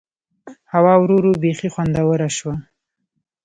هوا ورو ورو بيخي خوندوره شوه.